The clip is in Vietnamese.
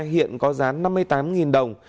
hiện có giá năm mươi tám đồng